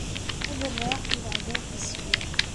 Ad rreɣ i weɛdaw tisfi-w.